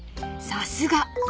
［さすが］